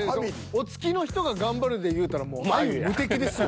お付きの人が頑張るでいうたらもうあゆ無敵ですよ。